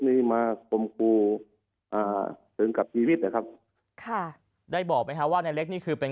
นี้มาคมครูอ่าถึงกับชีวิตนะครับค่ะได้บอกไหมฮะว่าในเล็กนี่คือเป็น